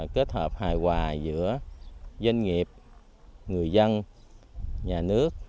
kết hợp hài hòa giữa doanh nghiệp người dân nhà nước